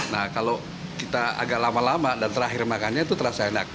nah kalau kita agak lama lama dan terakhir makannya itu terasa enak